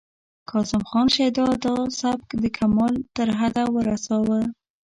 کاظم خان شیدا دا سبک د کمال تر حده ورساوه